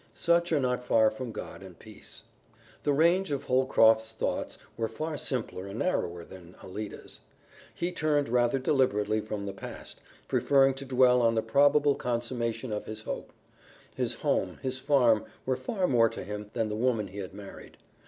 Such are not far from God and peace. The range of Holcroft's thoughts was far simpler and narrower than Alida's. He turned rather deliberately from the past, preferring to dwell on the probable consummation of his hope. His home, his farm, were far more to him than the woman he had married.